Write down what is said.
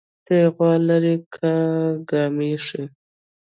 تى غوا لرى كه ګامېښې؟